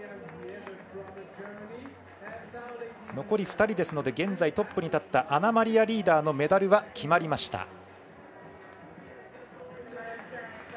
残り２人ですので現在トップに立ったアナマリア・リーダーのメダルは決まりました。